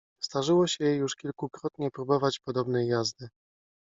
Zdarzyło się jej już kilkukrotnie próbować podobnej jazdy.